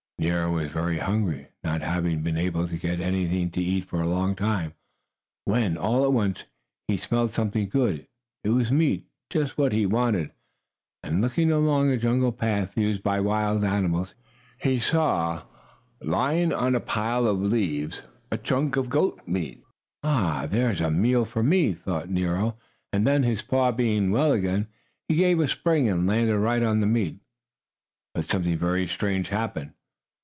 Nero was very hungry, not having been able to get anything to eat for a long time, when, all at once, he smelled something good. It was meat just what he wanted and, looking along a jungle path used by wild animals, he saw, lying on a pile of leaves, a chunk of goat flesh. "Ah, there is a meal for me!" thought Nero, and then, his paw being well again, he gave a spring, and landed right on the meat. But something very strange happened.